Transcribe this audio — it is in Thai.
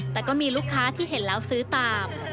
แต่ก็มีลูกค้าที่เห็นแล้วซื้อตาม